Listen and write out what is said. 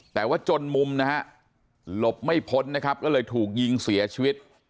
แต่ว่าจนมุมนะฮะหลบไม่พ้นนะครับก็เลยถูกยิงเสียชีวิต